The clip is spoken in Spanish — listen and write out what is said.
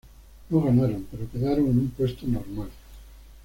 No ganaron, pero quedaron en un puesto normal.